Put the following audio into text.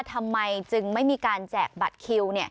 ทำไมจึงไม่มีการแจกบัตรคิว